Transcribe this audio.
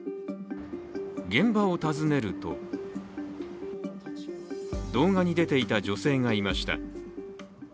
現場を訪ねると動画に出ていた女性がいました。